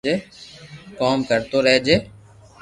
ڪوم ڪرتو رھجي